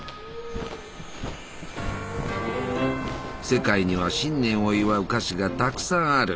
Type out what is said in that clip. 世界には新年を祝う菓子がたくさんある。